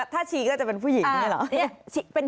ถ้าชี่ก็จะผู้หญิง